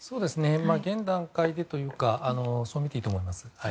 現段階でというかそうみていいと思います。